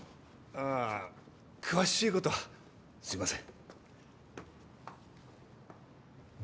あ詳しいことはすいません。